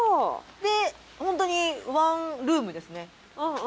ホントにワンルームですね。